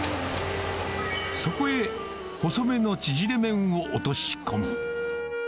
そこへ、細めの縮れ麺を落とし込む。